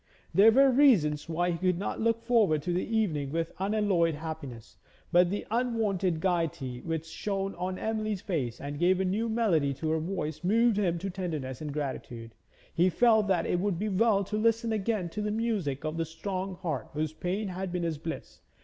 There were reasons why he could not look forward to the evening with unalloyed happiness, but the unwonted gaiety which shone on Emily's face, and gave a new melody to her voice, moved him to tenderness and gratitude. He felt that it would be well to listen again to the music of that strong heart whose pain had been his bliss.